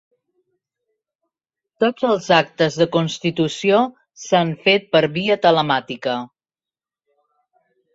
Tots els actes de constitució s’han fet per via telemàtica.